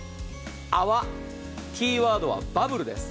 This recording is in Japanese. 泡、キーワードはバブルです。